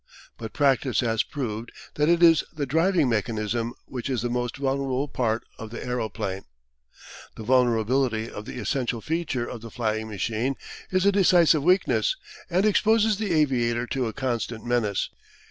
But practice has proved that it is the driving mechanism which is the most vulnerable part of the aeroplane. This vulnerability of the essential feature of the flying machine is a decisive weakness, and exposes the aviator to a constant menace.